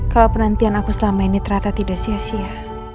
kalau penantian aku selama ini ternyata tidak sia sia